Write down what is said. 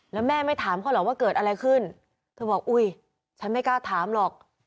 แล้วแม่ไม่ถามเขาเหรอว่าเกิดอะไรขึ้นเธอบอกอุ้ยฉันไม่กล้าถามหรอก